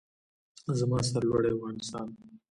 زما سرلوړی افغانستان.